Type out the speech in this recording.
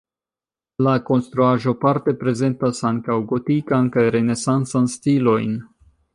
La konstruaĵo parte prezentas ankaŭ gotikan kaj renesancan stilojn.